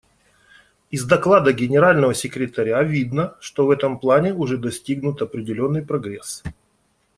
Из доклада Генерального секретаря видно, что в этом плане уже достигнут определенный прогресс.